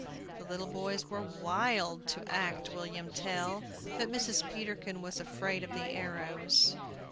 The little boys were wild to act William Tell, but Mrs. Peterkin was afraid of the arrows.